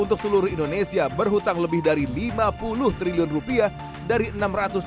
untuk seluruh indonesia berhutang lebih dari lima puluh triliun rupiah dari enam ratus triliun dana yang dikeluarkan